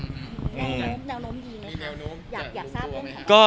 แนวนมดีไหมครับอยากทราบด้วยไหม